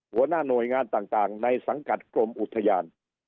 หัวหน้าหน่วยงานต่างในสังกัดกรมอุทยาน